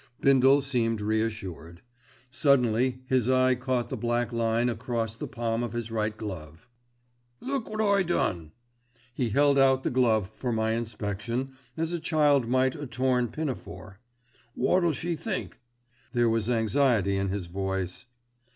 Bindle seemed reassured. Suddenly his eye caught the black line across the palm of his right glove. "Look wot I done." He held out the glove for my inspection as a child might a torn pinafore. "Wot'll she think?" There was anxiety in his voice.